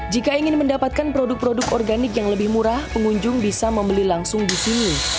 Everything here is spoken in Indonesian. jika ingin mendapatkan produk produk organik yang lebih murah pengunjung bisa membeli langsung di sini